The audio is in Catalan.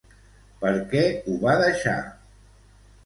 Per què ho va deixar?